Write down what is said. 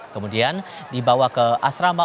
kemudian dibawa ke asrama